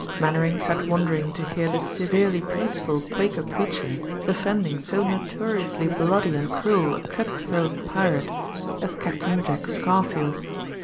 Mainwaring sat wondering to hear the severely peaceful Quaker preacher defending so notoriously bloody and cruel a cutthroat pirate as Capt. Jack Scarfield.